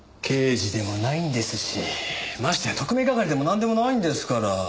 刑事でもないんですしましてや特命係でもなんでもないんですから。